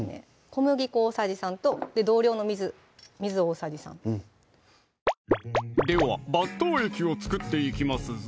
小麦粉大さじ３と同量の水水大さじ３ではバッター液を作っていきますぞ